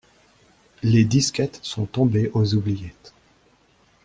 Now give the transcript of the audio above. Les disquettes sont tombées aux oubliettes.